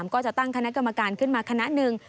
ก็จะตั้งคณะกรรมการขึ้นมาคณะหนึ่ง